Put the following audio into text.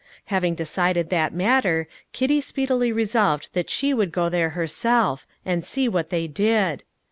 Having decided that matter, Kitty speedily resolved that she would go there herself, and see what they did.